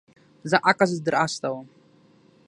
زه عکس در استوم